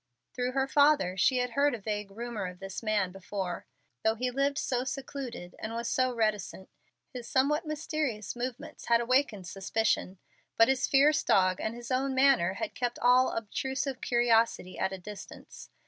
Through her father she had heard a vague rumor of this man before. Though he lived so secluded and was so reticent, his somewhat mysterious movements had awakened suspicion. But his fierce dog and his own manner had kept all obtrusive curiosity at a distance.